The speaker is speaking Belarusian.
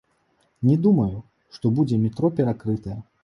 Не думаю, што будзе метро перакрытае.